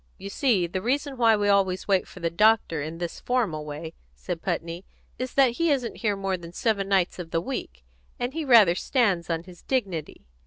"You see, the reason why we always wait for the doctor in this formal way," said Putney, "is that he isn't in here more than seven nights of the week, and he rather stands on his dignity.